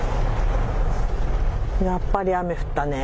やっぱり雨降ったね。